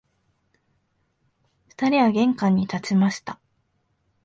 二人は玄関に立ちました